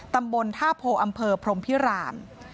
ตำบลท่าโพอำเภอพรมพิราม